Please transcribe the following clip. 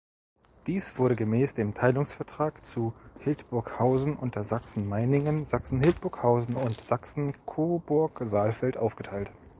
Dies wurde gemäß dem Teilungsvertrag zu Hildburghausen unter Sachsen-Meiningen, Sachsen-Hildburghausen und Sachsen-Coburg-Saalfeld aufgeteilt.